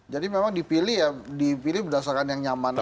jadi memang dipilih ya dipilih berdasarkan yang nyaman aja